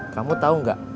kamu tau nggak